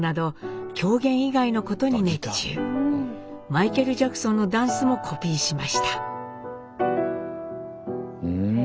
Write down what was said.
マイケル・ジャクソンのダンスもコピーしました。